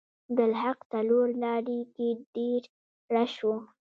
عبدالحق څلور لارې کې ډیر رش و.